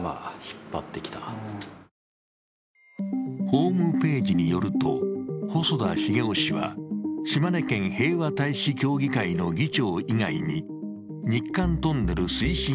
ホームページによると細田重雄氏は島根県平和大使協議会の議長以外に日韓トンネル推進